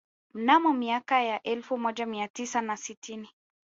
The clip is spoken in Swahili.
Mnamo miaka ya elfu moja mia tisa na sitini